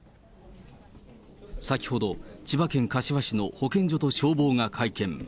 先ほど、千葉県柏市の保健所と消防が会見。